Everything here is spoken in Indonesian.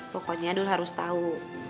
pokoknya dul harus tau